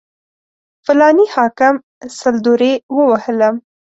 فلاني حاکم سل درې ووهلم.